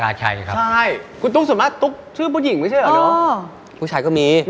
ขายดีไหมจ้ะพี่